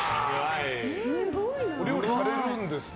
お料理されるんですね。